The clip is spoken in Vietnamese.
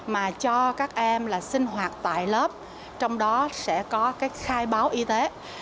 mà cho các em sinh hoạt tại lớp trong đó sẽ có khai báo y tế